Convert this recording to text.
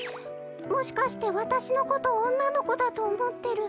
もしかしてわたしのことおんなのこだとおもってる？